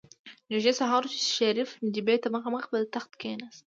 نژدې سهار و چې شريف نجيبې ته مخامخ په تخت کېناست.